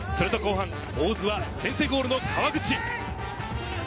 すると後半、大津は先制ゴールの川口。